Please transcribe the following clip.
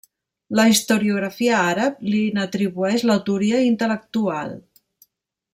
La historiografia àrab li n'atribueix l'autoria intel·lectual.